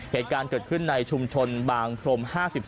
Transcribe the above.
เหตุการณ์เกิดขึ้นในชุมชนบางพรม๕๒